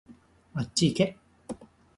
あっちいけ